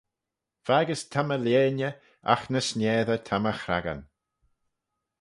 Faggys ta my lheiney, agh ny sniessey ta my chrackan